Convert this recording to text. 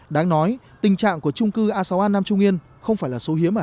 đáng nói tình trạng của trung cư a sáu a nam trung yên không phải là số hiếm ở